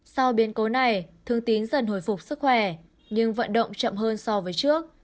sau biến cố này thương tín dần hồi phục sức khỏe nhưng vận động chậm hơn so với trước